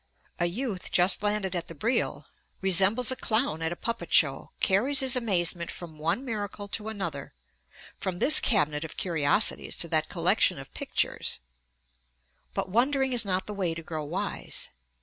A youth just landed at the Brille resembles a clown at a puppet show; carries his amazement from one miracle to another; from this cabinet of curiosities to that collection of pictures; but wondering is not the way to grow wise....